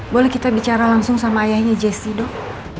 boleh kita bicara langsung sama ayahnya jessi dok